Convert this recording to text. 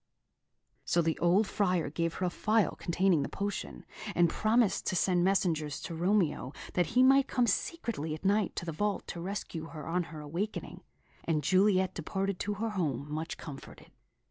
So the old Friar gave her a phial containing the potion, and promised to send messengers to Romeo, that he might come secretly at night to the vault to rescue her on her awakening; and Juliet departed to her home much comforted.